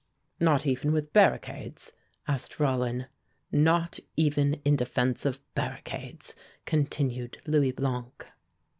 "Not even with barricades?" asked Rollin. "Not even in defence of barricades," continued Louis Blanc.